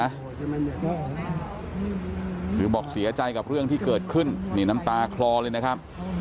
คือบอกเสียใจกับเรื่องที่เกิดขึ้นนี่น้ำตาคลอเลยนะครับ